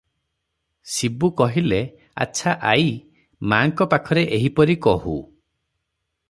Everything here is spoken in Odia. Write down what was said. ଶିବୁ କହିଲେ- "ଆଚ୍ଛା ଆଈ, ମାଙ୍କ ପାଖରେ ଏହିପରି କହୁ ।"